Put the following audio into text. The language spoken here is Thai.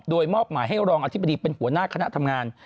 โดยมอบหมายให้รองอธิบดีเป็นหัวหน้าคณะทำงาน